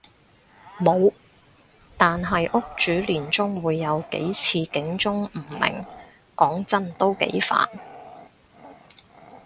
無，但係屋主年中會有幾次警鐘誤鳴，講真都幾煩